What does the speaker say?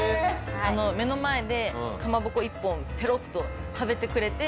目の前でかまぼこ１本ペロッと食べてくれて。